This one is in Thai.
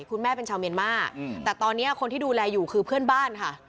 คุณแม่เป็นชาวเมียนมาแต่ตอนนี้คนที่ดูแลอยู่คือเพื่อนบ้านค่ะ